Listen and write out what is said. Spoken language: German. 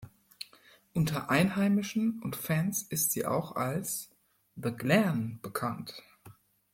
Unter Einheimischen und Fans ist sie auch als "„The Glen“" bekannt.